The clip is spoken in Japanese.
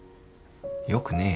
よくねえよ。